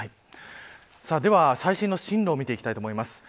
では最新の進路を見ていきたいと思います。